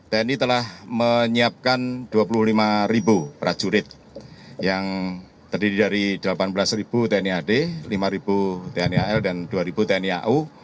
tni telah menyiapkan dua puluh lima prajurit yang terdiri dari delapan belas tni ad lima tni al dan dua ribu tni au